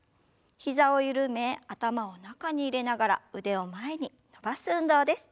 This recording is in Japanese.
膝を緩め頭を中に入れながら腕を前に伸ばす運動です。